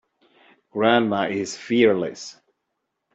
Grandma is fearless.